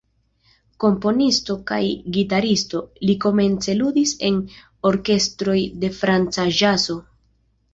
Komponisto kaj gitaristo, li komence ludis en orkestroj de franca ĵazo.